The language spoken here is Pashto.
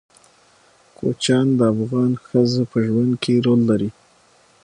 کوچیان د افغان ښځو په ژوند کې رول لري.